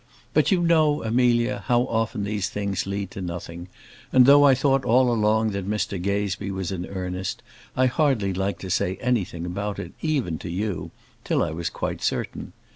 But you know, Amelia, how often these things lead to nothing, and though I thought all along that Mr Gazebee was in earnest, I hardly liked to say anything about it even to you till I was quite certain.